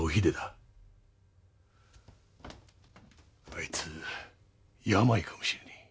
あいつ病かもしれねえ。